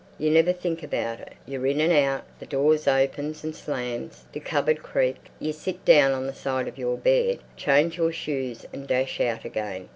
You never think about it. You're in and out, the door opens and slams, the cupboard creaks. You sit down on the side of your bed, change your shoes and dash out again.